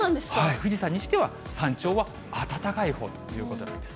富士山にしては山頂は暖かいほうということです。